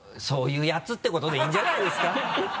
そういうヤツってことでいいんじゃないですか？